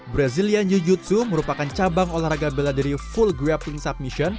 brazilian jiu jitsu merupakan cabang olahraga bela diri full grappling submission